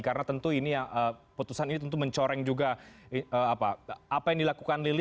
karena tentu ini yang keputusan ini tentu mencoreng juga apa yang dilakukan lili